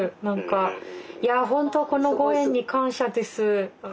いや本当このご縁に感謝です。